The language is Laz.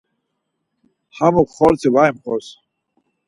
Hemuk xortzi var imxors.